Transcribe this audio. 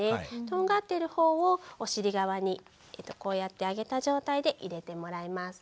とんがっている方をお尻側にこうやって上げた状態で入れてもらいます。